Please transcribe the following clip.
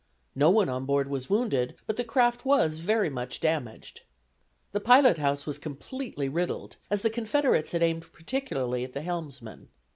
No one on board was wounded, but the craft was very much damaged. The pilot house was completely riddled, as the Confederates had aimed particularly at the helmsman.